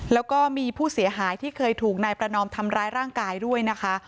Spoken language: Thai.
แล้วก็มีผู้เสียหายที่เคยถูกนายประนอมทำร้ายร่างกายด้วยนะคะ